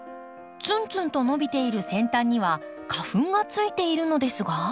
ツンツンと伸びている先端には花粉がついているのですが。